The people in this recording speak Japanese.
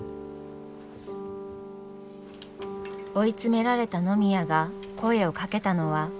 追い詰められた野宮が声をかけたのは。